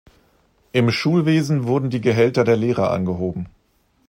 Im Schulwesen wurden die Gehälter der Lehrer angehoben.